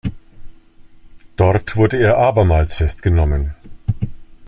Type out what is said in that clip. Dort wurde er abermals festgenommen.